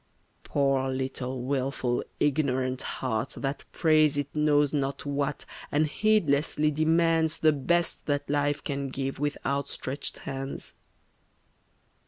Poor little wilful ignorant heart that prays It knows not what, and heedlessly demands The best that life can give with out stretched hands!